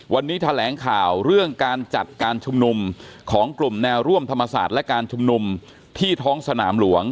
วันนี้แถลงข่าวเรื่องการจัดการชุมนุมของกลุ่มแนวร่วมธรรมศาสตร์และการชุมนุมที่ท้องสนามหลวง